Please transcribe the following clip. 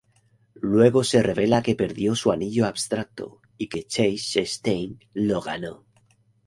Luego se revela que perdió su anillo Abstracto, y que Chase Stein lo ganó.